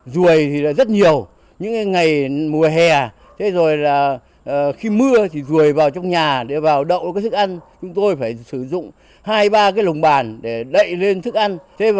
rùi rất nhiều những ngày mùa hè khi mưa rùi vào trong nhà để vào đậu sức ăn chúng tôi phải sử dụng hai ba lồng bàn để đậy lên sức ăn